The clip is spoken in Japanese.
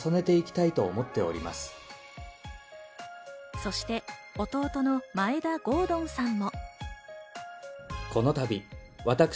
そして弟の眞栄田郷敦さんも。